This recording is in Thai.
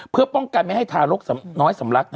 เพื่อป้องกันไม่ให้ทารกน้อยสำลัก